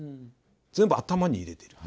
全部頭に入れてる。